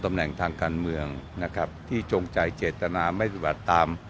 ตำแห่งทางการเมืองนะครับที่จงใจเจตนาไม่ตรวจตาม